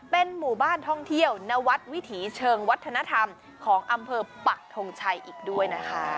เป็นหมู่บ้านท่องเที่ยวนวัดวิถีเชิงวัฒนธรรมของอำเภอปักทงชัยอีกด้วยนะคะ